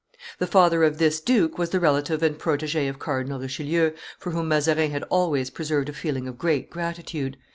The father of this duke was the relative and protege of Cardinal Richelieu, for whom Mazarin had always preserved a feeling of great gratitude.